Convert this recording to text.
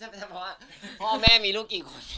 เพราะว่าพ่อแม่มีลูกกี่คน